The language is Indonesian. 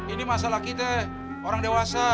ini masalah kita orang dewasa